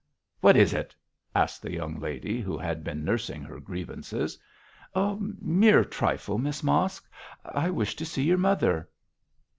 'What is it?' asked the young lady, who had been nursing her grievances. 'A mere trifle, Miss Mosk; I wish to see your mother.'